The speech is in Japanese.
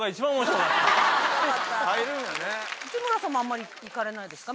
内村さんもあんまり行かれないですか？